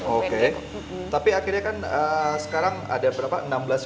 oke tapi akhirnya kan sekarang ada berapa enam belas varian